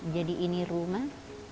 jadi ini rumah